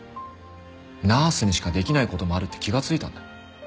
ナースにしかできない事もあるって気がついたんだ。